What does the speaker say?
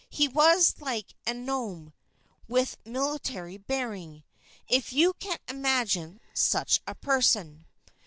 He was like a gnome with a military bearing if you can imagine such a person!